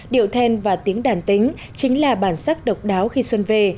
điều thên và tiếng đàn tính chính là bản sắc độc đáo khi xuân về